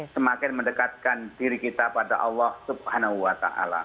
semakin mendekatkan diri kita pada allah subhanahu wa ta'ala